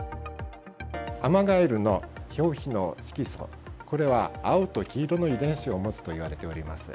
アマガエルの表皮の色素、これは青と黄色の遺伝子を持つといわれております。